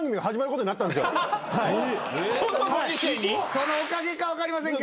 そのおかげか分かりませんが。